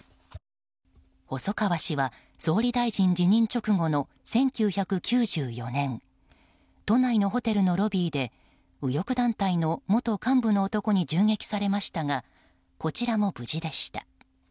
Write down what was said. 細川氏は総理大臣辞任直後の１９９４年都内のホテルのロビーで右翼団体の元幹部の男に銃撃されましたがこちらも無事でした。